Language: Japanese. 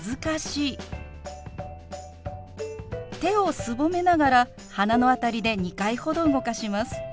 手をすぼめながら鼻の辺りで２回ほど動かします。